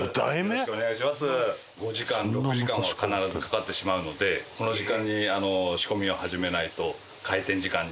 ５時間６時間は必ずかかってしまうのでこの時間に仕込みを始めないと。